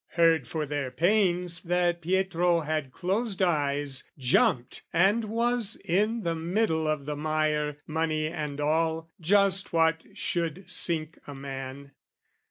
Heard for their pains that Pietro had closed eyes, Jumped and was in the middle of the mire, Money and all, just what should sink a man.